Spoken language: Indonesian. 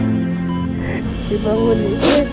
mesti bangun jess